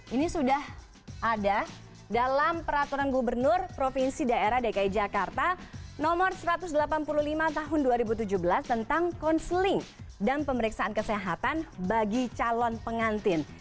ini sudah ada dalam peraturan gubernur provinsi daerah dki jakarta nomor satu ratus delapan puluh lima tahun dua ribu tujuh belas tentang counseling dan pemeriksaan kesehatan bagi calon pengantin